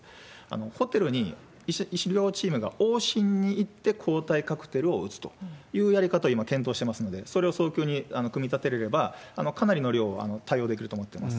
ホテルに医師医療チームが往診に行って抗体カクテルを打つというやり方を今、検討してますので、それを早急に組み立てれれば、かなりの量は対応できると思ってます。